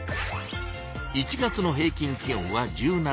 １月の平きん気温は１７℃。